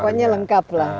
pokoknya lengkap lah gitu